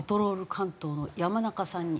関東の山中さんに。